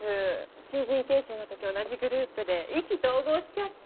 新人研修のとき同じグループで意気投合しちゃって。